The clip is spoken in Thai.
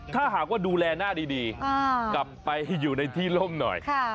ถ้าหากว่าดูแลหน้าดีกลับไปอยู่ในที่ล่มหน่อย